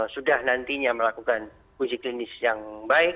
sudah nantinya melakukan uji klinis yang baik